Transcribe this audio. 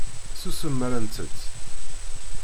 Susem mi ara nttett.